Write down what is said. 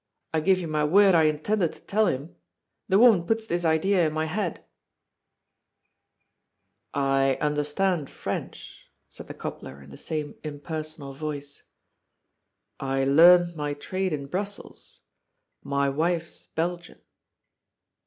I give you my word I intended to tell him. The woman put this idea in my head !"" I understand French," said the cobbler in the same ' impersonal ' voice. " I learnt my trade in Brussels. My wife's Belgian."